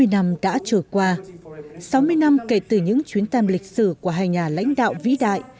sáu mươi năm đã trôi qua sáu mươi năm kể từ những chuyến thăm lịch sử của hai nhà lãnh đạo vĩ đại